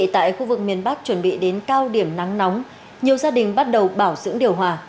tại khu vực miền bắc chuẩn bị đến cao điểm nắng nóng nhiều gia đình bắt đầu bảo dưỡng điều hòa